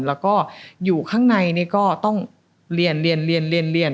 แล้วก็อยู่ข้างในก็ต้องเรียน